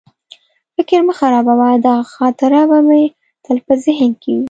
فکر مه خرابوه، دغه خاطره به مې تل په ذهن کې وي.